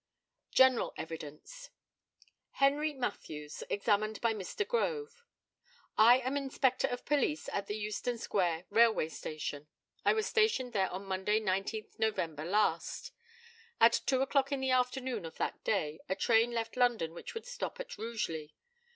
GENERAL EVIDENCE. HENRY MATTHEWS, examined by Mr. GROVE: I am inspector of police at the Euston square Railway Station. I was stationed there on Monday, 19th November last. At two o'clock in the afternoon of that day a train left London which would stop at Rugeley.